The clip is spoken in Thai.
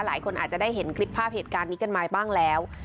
หลายคนอาจจะได้เห็นคลิปภาพเหตุการณ์นี้กันมาบ้างแล้ว